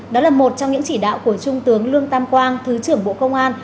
đó là một trong những chỉ đạo của trung tướng lương tam quang thứ trưởng bộ công an